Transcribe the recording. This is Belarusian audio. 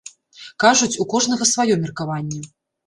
Кажуць, у кожнага сваё меркаванне.